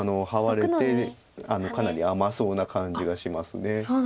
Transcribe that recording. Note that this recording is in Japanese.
かなり甘そうな感じがします。